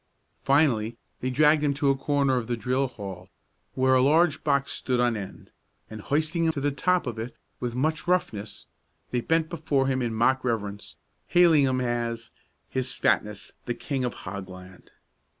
Finally they dragged him to a corner of the drill hall, where a large box stood on end, and hoisting him to the top of it with much roughness, they bent before him in mock reverence, hailing him as "His Fatness the King of Hogland."